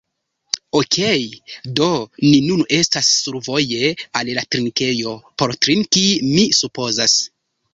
Okej, do ni nun estas survoje al la drinkejo por drinki, mi supozas.